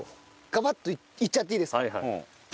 ガバッといっちゃっていいですか？